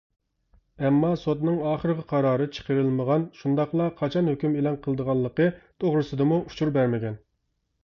ئەمما سوتنىڭ ئاخىرقى قارارى چىقىرىلمىغان شۇنداقلا قاچان ھۆكۈم ئېلان قىلىنىدىغانلىقى توغرىسىدىمۇ ئۇچۇر بەرمىگەن.